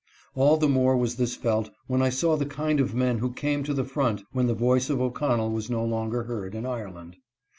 All the more was this felt when I saw the kind of men who came to the front when the voice of O'Connell was no longer heard in Ireland.